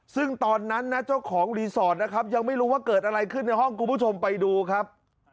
ซึ่งตอนนั้นนะเจ้าของรีสอร์ทนะครับยังไม่รู้ว่าเกิดอะไรขึ้นในห้องคุณผู้ชมไปดูครับ